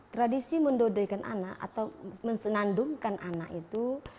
tradisi mendodoi atau menyenandungkan anak itu